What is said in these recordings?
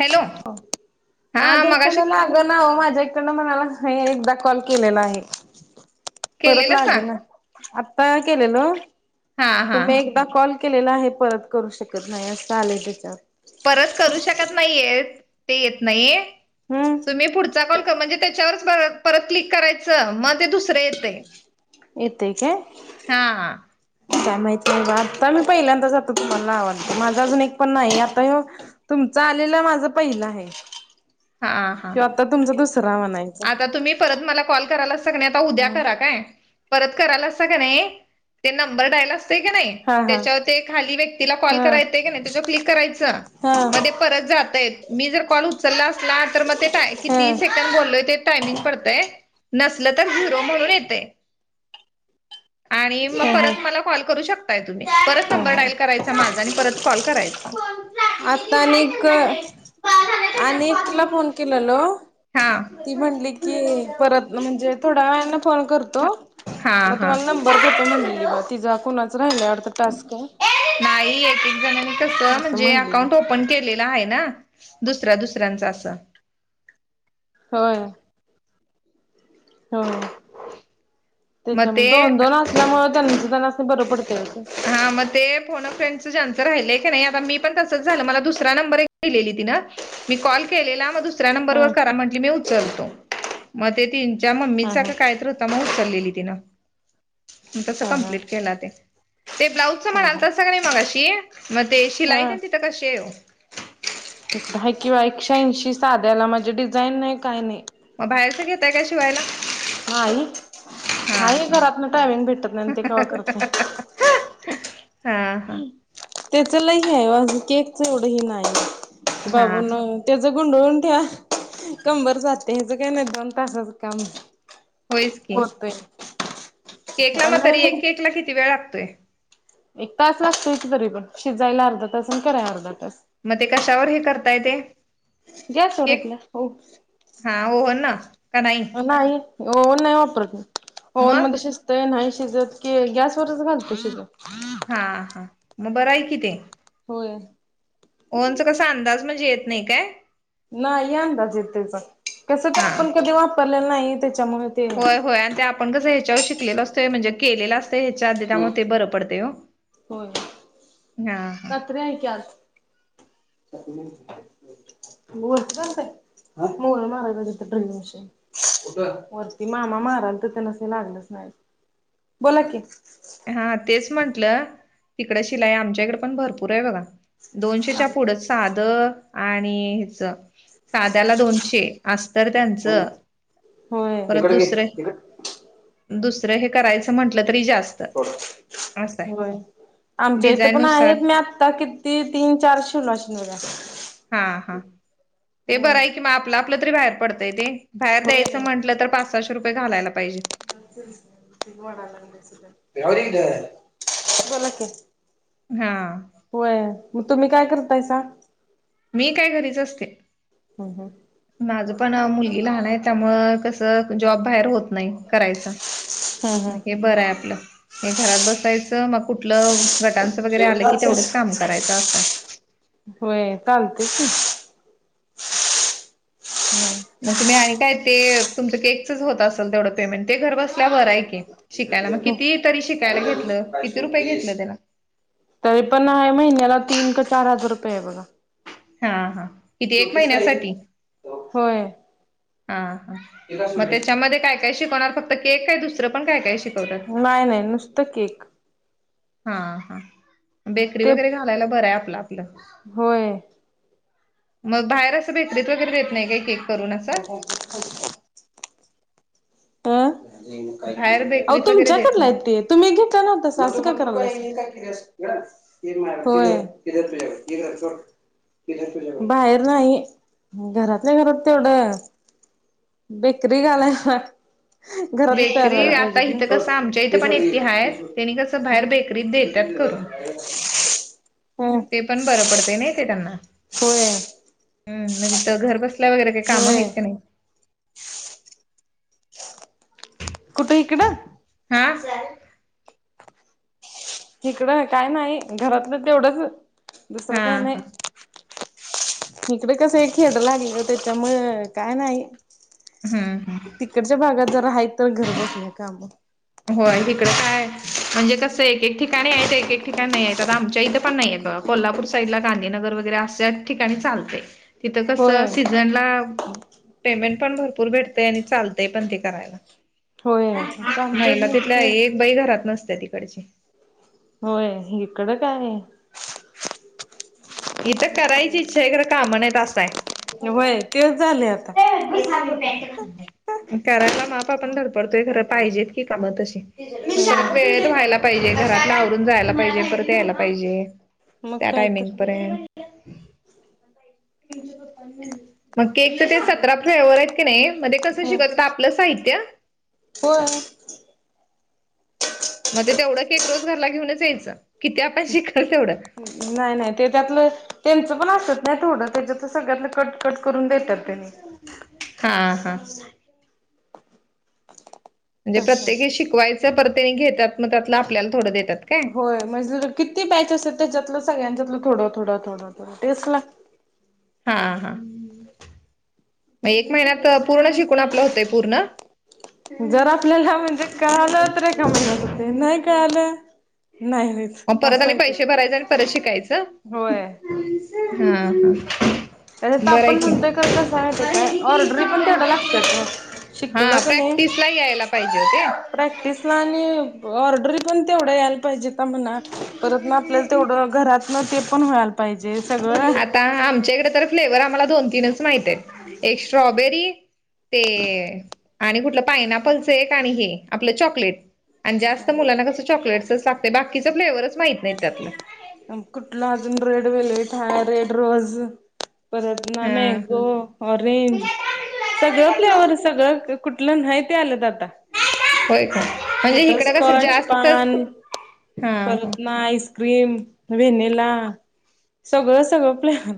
Hello हो माझ हा मगाशी पण लाग नाव माझ्या इकडंनं म्हणाला एकदा कॉल केलेला आहे. परत केलेलंसा लागे ना आता केलेलं हा हा तुम्ही- कॉल केलेला आहे परत करू शकत नाही असं आलंय त्येच्यात परत करू शकत नाही येतं, ते येत नाहीे. हम्म तुम्ही पुढचा कॉल कर म्हणजे त्याच्यावर परत क्लिक करायचं मग ते दुसरे येतय येतंय काय? काय माहिती नाही बा आता मी पहिल्यांदाच आता तुम्हाला लावालतो माझा अजून एक पण नाही आता ह्यो तुमच आलेलं माझ पहिलं आहे हा हा ह्यो आता तुमचा दु सरावा नाही आता तुम्ही परत मला कॉल करायलासा कनाय आता उद्या करा हा काय. परत करायलासा कणी ते नंबर डाईल अस कणी हा त्यांच्यावर ते खाली व्यक्तीला कॉल हा हा करायच येतंय कणी त्याच्यावर क्लिक करायचं हा म परत जातयच मी जर कॉल उचलला असला तर मग ते हा किती सेकंद बोललोय ते टायमिंग पडतय नसल तर झिरो म्हणून येते आणि हा मग हा परत मला कॉल करू शकताय तुम्ही परत हा नंबर हा डायल करायचा माझ आणि परत कॉल करायच आता आणिक आणि एकटीला फोन केलालो हा ती म्हणली की परत म्हणजे थोड्या वेळाने फोन करतो हा मग हा. तुम्हाला नंबर देतो म्हणलेली बा तीजा कुणाचं राहिलय वाटत टास्क नाही एक एक जणांनी कस असं म्हणजे म्हणलेली अकाउंट ओपन केलेत आहे ना दुसऱ्या दुसऱ्यांच अस होय होय मग त्याच्यामुळ ते दोन दोन असल्यामुळे त्यांच त्यांना बर पडतय ओ ते हा मग ते फोन फ्रेंडच ज्यांचं राहिलंय कणी आता मी पण तसंच झालं मला दुसरा नंबर दिलेली तिनं मी कॉल केलेला मग दुसऱ्या नंबर ह वर करा म्हटली मी उचलतो मग ते तिच्या ह मम्मीचा ह का काहीत होत मग उचललेली [inaudible] मग तसं ह कंप्लीट केला त, ते ब्लाउजच ह ह म्हणाल तसं ह का नाही मगाशी मग ते शिलाई ह तेन तिथं कशी हाय ओ इकडं आहे बा किंवा एकश्या ऐंशी साध्याला माझे डिझाईन नाही काय नाही म बाहेरच घेतताय का शिवायला नाही हा हे घरात न टायमिंग भेटत नाही ते कावा करतो हा हा त्याच लई हे हाय ओ आहे केकच एवढं ह नाही हा बाबू हा नो त्याच गुंडळून ठेवा कंबर जाते हेच काही नाही दोन तासाचं काम. होईस की होतय केकला म ऑनलाईन तरी एक केक ला किती वेळ लागतोय? एक तास लागतो इथ तरी पण शिजायला आर्धा तास आणि कराय आर्धा तास. मग ते कशावर हे करता येते. गॅसवर होत ल हो. हा ओव्हन ना का नाही ओवन नाही वापरत मी ओवन मग मध्ये शीज ते नाही शिजत की गॅसवरच घालतो शिजत. हां हा म बरं आहे कि ते. होय. ओव्हनचा कसा अंदाज म्हणजे येत नाही काय? नाही यंदाज येत त्याचा त्याचं हा काय आपण कधी वापरलेलं नाही त्याच्यामुळं होय होय आणि ते आपण कसं ह्याच्यावर शिकलेलो असतोय म्हणजे केलेला आस ते इचारते त्या मुळं ते बरं पडतयं हो हां हां. आता काय आजून? ओलसरच आहे आं होल मारायला तीत ड्रिल मशीन. कुटं वरती मामा माराल तीत ना ते लागलंच नाय. बोला कि. हां तेच म्हंटलं तिकड शिलाई आमच्या इकडे पण भरपूर आहे बघा. दोनशेच्या पुढं साध आणि हेच साध्याला दोनशे. आस्तर कोण त्यांचं परत इकड घे दुसरे इकड दुसरं हे करायचं म्हटलं तरी जास्त असं आहे. होय आमच्या इथं डिझाईन पण नुसार आहेत मी आत्ता कित ती तीन चार शिवलं असेल बगा. हां हा ते बरं आहे कि म आपलं आपलं तरी बाहेर पडतंय ते. बाहेर द्यायचं म्हंटलं तर पाच सहाशे रुपये घालायला पाहिजे. वडाय लागले तीत राहूदे की तीत बोला कि. हां. होय म तुम्ही काय करतायसा? मी काय घरीच असते. हम हम. माझं पण मुलगी लहान आहे त्यामुळं कसं जॉब बाहेर होत नाही करायचा. हम्म म बरं आहे आपलं. हे घरात बसायचं म कुठलं गटांचं वगैरे आलं की हम्म. तेवढंच काम करायचं आसंय. होय कालते की. हम्म. म तुम्ही आणि काय? ते तुमचं केकचच होत आसल तेवढं पेमेंट ते घर बसल्या बरं आहे की. शिकायला म हो किती तरी काही शिकायला घेत? झालीस तरी पण आहे महिन्याला तीन का चार हजार रुपये आहे बगा. हां हां. किती एक काही महिन्यासाठी? ते हां हा काय म सोडलीस. त्याच्यामध्ये काय काय शिकणार फक्त केक आहे दुसरं पण काय शिक नाय नाय नुसतं केक हां हा बेकरी ते वगैरे घालायला बरं आहे आपलं आपलं होय. मग बाहेर आसं बेकरीत वगैरे देत नाही काय केक करून असं च [unintelligible] आं काय बाहेर केली काय आओ बेकरीत वगैरे तुमच्यात देत आणलाय नाही केक. तुम्ही घेतला ना तसा आसं काय करायला [unintelligible] बाहेर नाही घरातल्या घरात तेवढं. बेकरी घालायसा. घरात तयार बेकरी व्हायला आता पाहिजेत ना इथं कसं आमच्या इथं पण एकटी आहेत त्यांनी कसं बाहेर बेकरीत देतात करून [unintelligible] हम [unintelligible] ते पण बरं पडत नाही ते त्यांना [unintelligible] होय. [unintelligible] हम् म्हणजे त घर बसल्या वगैरे काही काम आहेत होय का नाही. [unintelligible] कुठे इकडं [unintelligible] हा सर [unintelligible] इकडं काय नाही घरातलं तेवढंच हा दुसरं काय हा नाही- [unintelligible] इकडे कस खेळ लागल त्याच्यामु काय नाही हम्म हम्म. तिकडच्या भागात जर आहेत तर घर बसल्या काम हो तिकड काय म्हणजे कसं एक एक ठिकाणी आहेत एक एक ठिकाणी नाही आहेत. आमच्या इथे पण नाहीये कोल्हापूर साईड ला गांधीनगर वगैरे अशाच ठिकाणी चालतेय. तिथं होय कसं सीझनला पेमेंट पण भरपूर भेटतय आणि चालतंय पण ते करायला. होय का [unintelligible] महिला तिथल्या एक बाई घरात नसते तिकडची [unintelligible] होय इकडं काय [unintelligible] इथ करायची इच्छा आहे खरं कामण आहे ता आहे. [unintelligible] वय तेच झाले आता. [unintelligible] करायला मापा आपण धडपडतोय खर पाहिजेत की कामं तशी होय वेळेत व्हायला पाहिजे घरातला आवरून जायला पाहिजे परत यायला पाहिजे. मग त्या काय टायमिंग तर पयंत मग के तर ते तस सतरा फ्वर आहेत की नाही म्हणजे कसं होय. शिकत आपलं साहित्य होय [unintelligible] मग तेवढं की एक रोज घरला घेऊनच यायचं कि ते आपण शिकाल तेवढं नाही नाही ते त्यातलं त्यांचं पण असत नाही थोडं त्याच्यात सगळ्यात शॉर्टकट करून देतात ते [unintelligible] हा हा [unintelligible] म्हणजे तसं प्रत्येकी शिकवायच परतेने घेतात मग त्यातला आपल्याला थोडं देतात. काय होय म्हणजे किती बॅचस त्याच्यातलं सगळ्यांच्यातलं थोडं थोडं थोडं थोडं टेचट लाग हा हा [unintelligible] म एक महिन्यात पूर्ण शिकून आपलं होतंय पूर्ण. [unintelligible] जर आपल्याला म्हणजे कळालं तर एका महिन्यात होते नाही कळालं नाही हो [unintelligible] म परत आ पैसे भरायचे आणि परत शिकायचं होय हा ह त्याच्यात आपण बरं म्हणतोय खरं कसं आहे ते काय कि ऑर्डरी पण तेवढ्या लागत्यात ओ शिकलं हा कणी प्रॅक्टिसला यायला पाहिजे होते. [unintelligible] प्रॅक्टिसला आणि ऑर्डरी पण तेवढ्या यायला पाहिजे का म्हणा परत ना आपल्या तेवढं घरातन ते पण व्हायला पाहिजे सगळं आ आमच्याकडे तर फ्लेवर्ह आम्हाला दोन तीनच माहित आहे एक स्ट्रॉबेरी ते आणि कुठलं पायनॅपलचं एक आणि हे आपलं चॉकलेट. आणि जास्त मुलांना कसं चॉकलेटसच लागते बाकीच फ्लेवर्हच माहत नाहीत त्यातलं [unintelligible] कुठला अजून रेड व्हायलेट आहे रेड रोज परत ना हा हा मँगो ऑरेंज सगळं फ्लेवर सगळं कुठलं नाही ते आलेत आता होय का म्हणजे इकडं कसं बटरस्कॉच जास्त पान हा हा परत नाईस. क्रीम व्हनिला सगळं सगळं प्लॅन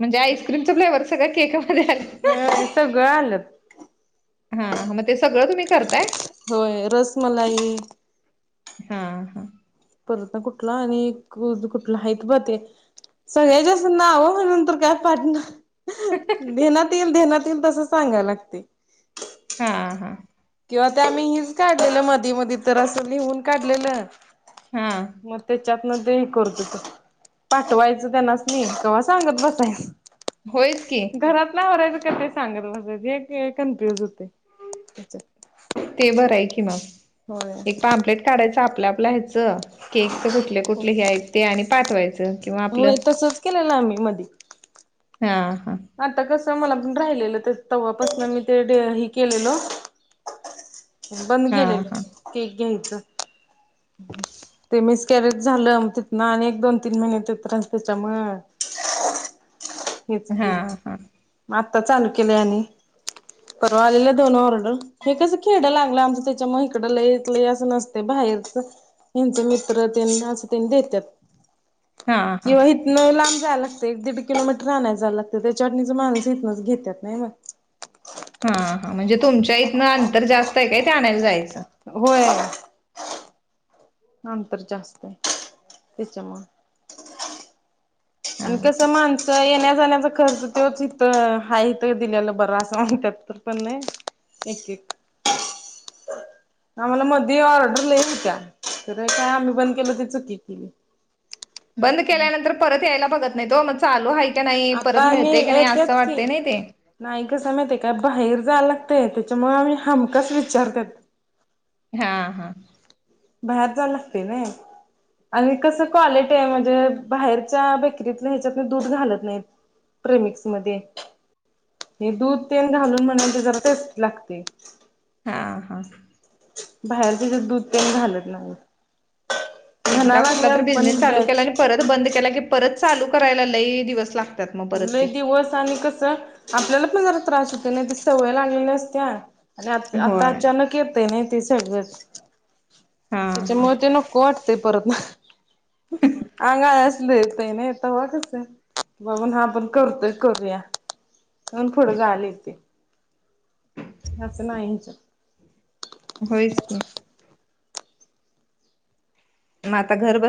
म्हणजे आईस्क्रीमचा फ्लेवरर सगळ केकमध्ये आलं [unintelligible] ह सगळं आलंत [unintelligible] हा मग ते सगळं तुम्ही करताय. [unintelligible] होय रसमलाई [unintelligible] हां हां. [unintelligible] परत ना कुठला आणि कुठला आहे ब ते. सगळ्यात जास्त नावं म्हणून तर काय पाट नाय. ह. ध्येनात येईल ध्येनात येईल तसं सांगाय लागतयं. हा हा. किंवा ते आम्ही हिल्स काढलेलं मधी मधी तर असं लिहून काढलेलं हा म ते तेच्यातन हे करत होतो पाठवायचं तेनासनी कव्हा सांगत बसायचं. होयच की. घरातलं आवरारायचं का ते सांगत बसायचं हे हे कन्फ्युज होतयं तेच्यात ते बरंय की म होय एक पॅम्प्लेट काढायचं आपल्या आपला हेचं. द केक च कुठले कुठले हे आहेत ते आणि पाठवायचं. किंवा आपलं होय तसचं केललं आम्ही मधी. हा हा. आता कसं मला पण राहिलेलं ते तव्हापासून मी ते डी हे केलेलो. बंद हा गेलेलं हा ते घ्यायचं. कॅरेट झालं तिथंनं आणि एक दोन तीन महिने ते त्रास तेच्यामुळं. हेच हा केलं हा म आतां चालू केलयं आणि परवा आलेलं दोन ऑर्डर. हे कसं खेडं लागलं आमचं तेच्यामुळं इकडं लयं लयं असतयं नसतयं बाहेरचं. हेंचं मित्र तेंन [unintelligible] देत्यात. हा हा किंवा हिथंनं लांब जायला लागतयं दीडकिलोमी आणायला जायला लागतयं तर ते चटणीचं माणसं हीथंनच घेत्यात नाही मग. हां हां म्हणजे तुमच्या इथनं अंतर जास्त आहे काय ते आणायला जायचं. होय अंतर जास्त हाय तेच्यामुळं. हा आणि कसं माणसं त्या येण्या जाण्याचा खर्च तोच इथं हायं हिथं दिलेला बरा असं म्हणत्यात तर पण. एक एक. [inaudible] आम्हाला मधी ऑर्डर लयी हुत्या तर काय आम्ही बंद केलं ती चुकी केली. बंद केल्यानंतर परत यायला बघत नाही तो म चालू हायं का नाही आता परत आम्ही मिळतयं की नाही असं येत्यात की वाटतयं नाही ते नाही कसं माहिती काय बाहेर जायला लागतयं त्याच्यामुळे आम्ही हमखास विचारत्यात. हा हा. बाहेर जायला लागतयं नाही. आणि कसं क्वालिटी आहे, म्हणजे बाहेरच्या बेकरीतलं हेच्यातनं दूध घालत नाहीत. प्रेमिक्समध्ये. हे दूध तेन घालून म्हणा ते जरा टेस्टी लागतयं. हा हां. बाहेर तेच्यात दूध तेन घालत नाहीत. म्हणा एकदा कुठला लागले तर आम्ही पण बिझनेस चालू केला आणि बॅच परत बंद केला की परत चालू करायला ल दिवसला कु दिवस आणि कसं आपल्याला पण जरा त्रास होते नाही त सवय लागलेली असते अरे आ आता होय अचानक येत आहे ना ते सगळच हा त्याच्यामुळे ते न को वाटते परत ना ह अंगाय असलं येतयं नाही तवां कसं. बघून हा आपण करतोय करूया पण पुढं जायला येतयं. असं नाही हेच्यात. होयचं की. मं आता घर बस